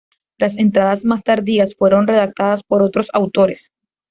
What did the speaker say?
Las entradas más tardías fueron redactadas por otros autores.